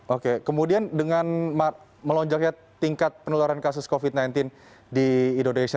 oke kemudian dengan melonjaknya tingkat penularan kasus covid sembilan belas di indonesia termasuk juga di beberapa wilayah di indonesia